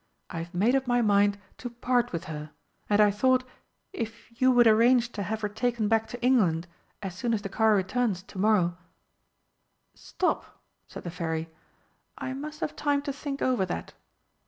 I have made up my mind to part with her, and I thought, if you would arrange to have her taken back to England as soon as the car returns to morrow " "Stop," said the Fairy, "I must have time to think over that."